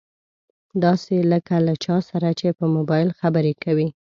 داسې لکه له چا سره چې په مبايل خبرې کوي.